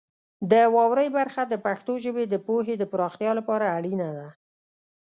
د واورئ برخه د پښتو ژبې د پوهې د پراختیا لپاره اړینه ده.